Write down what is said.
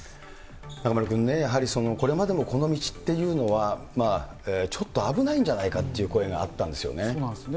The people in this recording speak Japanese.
中丸君ね、やはりこれまでもこの道っていうのは、ちょっと危ないんじゃないかという声があったんですよね。